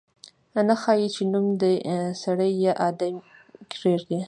نه ښايي چې نوم دې سړی یا آدمي کېږدي.